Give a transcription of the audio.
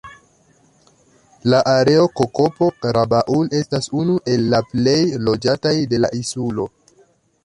La areo Kokopo-Rabaul estas unu el la plej loĝataj de la insulo.